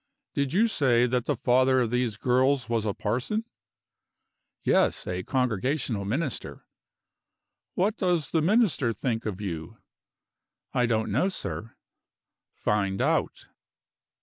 "Did you say that the father of these girls was a parson?" "Yes a Congregational Minister." "What does the Minister think of you?" "I don't know, sir." "Find out."